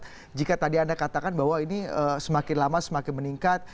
tapi jika tadi anda katakan bahwa ini semakin lama semakin meningkat